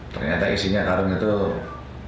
ternyata isinya karung itu ada senti